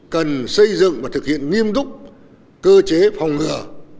cần xây dựng và thực hiện nghiêm túc cơ chế phòng ngừa